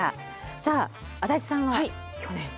さあ足立さんは去年。